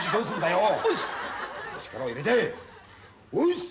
力を入れて押忍！